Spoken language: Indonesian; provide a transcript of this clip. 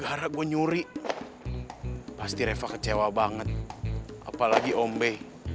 karena gue nyuri pasti reva kecewa banget apalagi ombe